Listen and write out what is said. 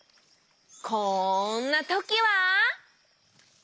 こんなときは。